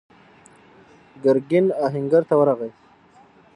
ګرګين آهنګر ته ورغی.